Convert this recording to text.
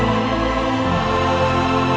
aku tidak tahu